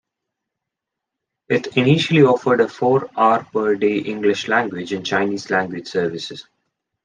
It initially offered a four-hour-per-day English language and Chinese language service.